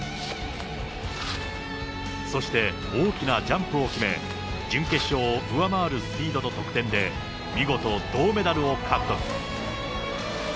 そして大きなジャンプを決め、準決勝を上回るスピードと得点で、見事、銅メダルを獲得。